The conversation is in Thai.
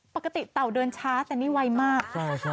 เต่าเดินช้าแต่นี่ไวมาก